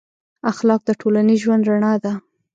اخلاق د ټولنیز ژوند رڼا ده.